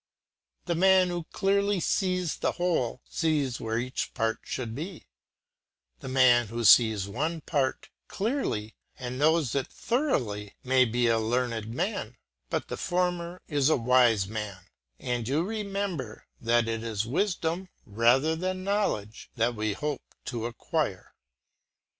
The man who clearly sees the whole, sees where each part should be; the man who sees one part clearly and knows it thoroughly may be a learned man, but the former is a wise man, and you remember it is wisdom rather than knowledge that we hope to acquire.